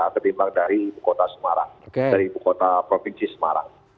ketimbang dari ibu kota semarang dari ibu kota provinsi semarang